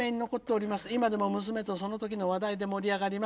今でも娘とその時の話題で盛り上がります。